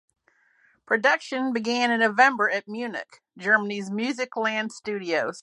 Production began in November at Munich, Germany's Musicland Studios.